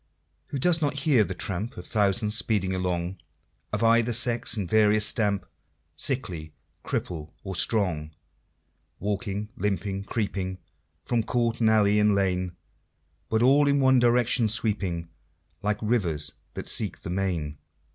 Who does not hear the tramp Of thousands speeding along Of either sex and various stamp, Sickly, cripple, or strong, Walking, limping, creeping From court and alley, and lane, But all in one direction sweeping Like rivers that seek the main?